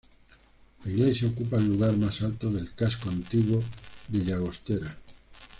La iglesia ocupa el lugar más alto del casco antiguo de Llagostera.